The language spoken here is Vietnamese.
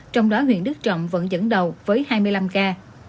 trong đó huyện đức trọng vẫn dẫn đầu với hai mươi năm ca